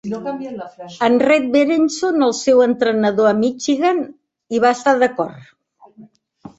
En Red Berenson, el seu entrenador a Michigan, hi va estar d'acord.